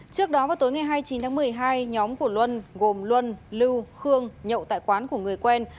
trước đó vào tối ngày hai mươi chín tháng một mươi hai nhóm của luân gồm luân lưu khương nhậu tại quán của người quen